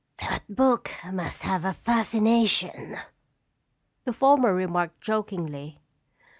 "That book must have a fascination," the former remarked jokingly.